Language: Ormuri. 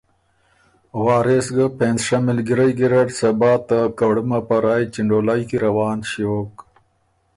وارث ګه پېنځ شۀ مِلګِرئ ګیرډ صبا ته کړُمه په رایٛ چِنډولئ کی روان ݭیوک۔